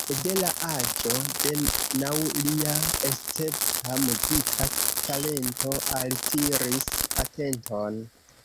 De la aĝo de naŭ lia escepta muzika talento altiris atenton.